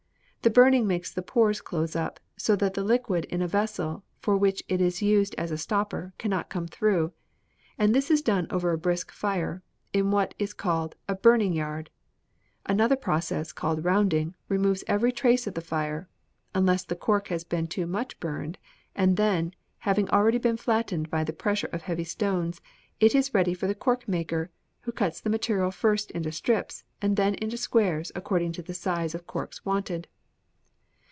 The burning makes the pores close up, so that the liquid in a vessel for which it is used as a stopper cannot come through; and this is done over a brisk fire, in what is called a burning yard. Another process, called rounding, removes every trace of the fire, unless the cork has been too much burned, and then, having already been flattened by the pressure of heavy stones, it is ready for the cork maker, who cuts the material first into strips and then into squares according to the size of corks wanted.